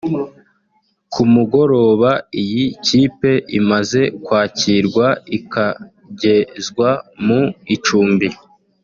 Ku mugoroba iyi kipe imaze kwakirwa ikagezwa mu icumbi